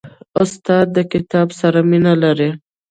استاد د کتاب سره مینه لري.